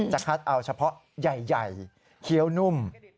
คัดเอาเฉพาะใหญ่เคี้ยวนุ่ม